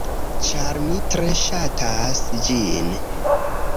Ĉar mi tre ŝatas ĝin.